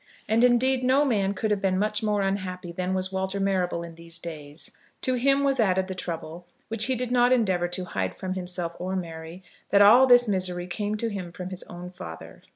And, indeed, no man could have been much more unhappy than was Walter Marrable in these days. To him was added the trouble, which he did not endeavour to hide from himself or Mary, that all this misery came to him from his own father.